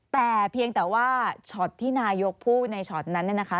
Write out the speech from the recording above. แต่เพียงแต่ว่าช็อตที่นายกพูดในช็อตนั้นเนี่ยนะคะ